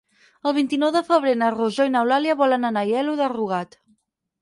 El vint-i-nou de febrer na Rosó i n'Eulàlia volen anar a Aielo de Rugat.